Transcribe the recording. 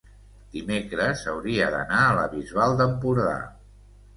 dimecres hauria d'anar a la Bisbal d'Empordà.